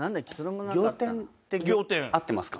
仰天合ってますか？